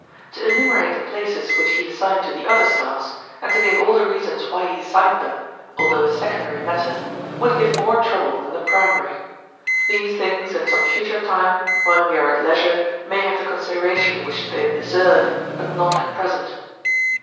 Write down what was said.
To enumerate the places which he assigned to the other stars, and to give all the reasons why he assigned them, although a secondary matter, would give more trouble than the primary. These things at some future time, when we are at leisure, may have the consideration which they deserve, but not at present.